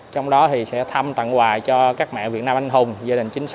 trong đó thì sẽ thăm tặng quà cho các mẹ việt nam anh hùng